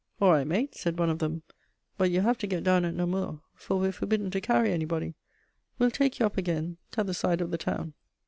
"All right, mate," said one of them, "but you'll have to get down at Namur, for we're forbidden to carry anybody. We'll take you up again t'other side of the town."